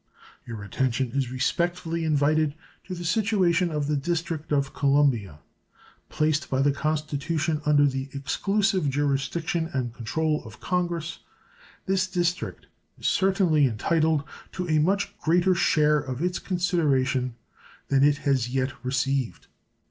Your attention is respectfully invited to the situation of the District of Columbia. Placed by the Constitution under the exclusive jurisdiction and control of Congress, this District is certainly entitled to a much greater share of its consideration than it has yet received.